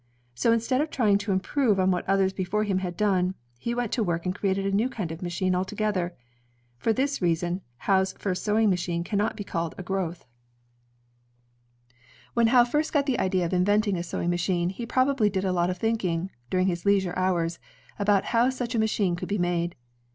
So instead of trying to improve on what others before him had done, he went to work and created a new kind of machine altogether. For this reason, Howe's first sewing machine cannot be called a growth. 128 INVENTIONS OF MANUFACTURE AND PRODUCTION When Howe first got the idea of inventing a sewing machine, he probably did a lot of thinking, during his leisure hours, about how such a machine could be made.